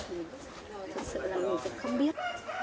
thật sự là mình cũng không biết